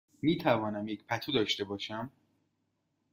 می توانم یک پتو داشته باشم؟